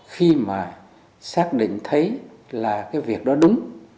khi mà xác định thấy là cái việc đó đúng